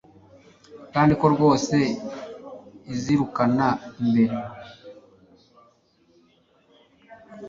kandi ko rwose izirukana imbere